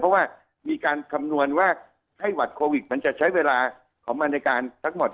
เพราะว่ามีการคำนวณว่าไข้หวัดโควิดมันจะใช้เวลาของบรรยากาศทั้งหมด